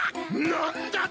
何だと！